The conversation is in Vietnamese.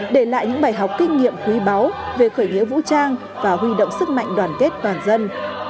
để lại những bài học kinh nghiệm quý báu về khởi nghĩa vũ trang và huy động sức mạnh đoàn kết toàn dân